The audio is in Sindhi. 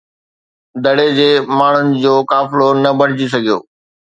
دڙي جي ماڻهن جو قافلو نه بڻجي سگهيو.